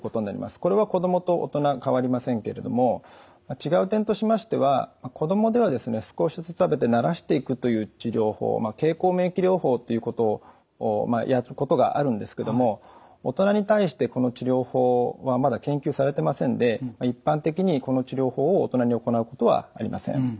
これは子どもと大人変わりませんけれども違う点としましては子どもでは少しずつ食べてならしていくという治療法経口免疫療法ということをやることがあるんですけども大人に対してこの治療法はまだ研究されてませんで一般的にこの治療法を大人に行うことはありません。